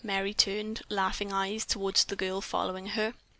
Merry turned, laughing eyes, toward the girl following her.